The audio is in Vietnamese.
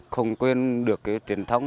không quên được cái truyền thống